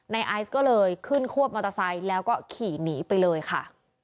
ไอซ์ก็เลยขึ้นควบมอเตอร์ไซค์แล้วก็ขี่หนีไปเลยค่ะ